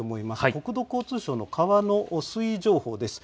国土交通省の川の水位情報です。